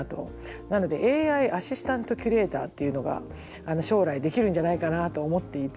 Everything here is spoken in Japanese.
なのでＡＩアシスタントキュレーターというのが将来できるんじゃないかなと思っていて。